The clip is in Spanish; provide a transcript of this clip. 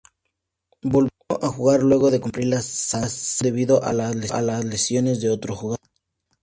Volvió a jugar luego de cumplir la sanción debido a lesiones de otros jugadores.